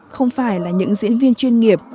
không phải là những diễn viên chuyên nghiệp